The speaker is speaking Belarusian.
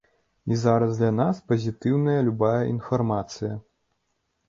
І зараз для нас пазітыўная любая інфармацыя.